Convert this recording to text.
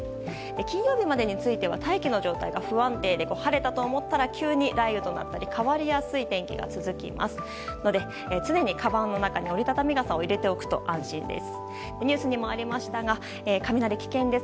金曜日までについては大気の状態が不安定で晴れたと思ったら急に雷雨となったり変わりやすい天気が続きますので、常にかばんの中に折り畳み傘を入れておくと安心です。